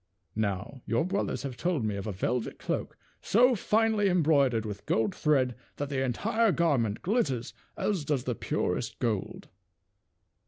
Now your brothers have told me of a velvet cloak so finely embroidered with gold thread that the entire garment glitters as does the purest gold.